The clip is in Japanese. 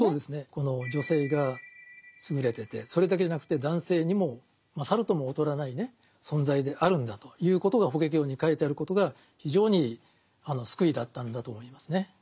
この女性が勝れててそれだけじゃなくて男性にも勝るとも劣らない存在であるんだということが「法華経」に書いてあることが非常に救いだったんだと思いますね。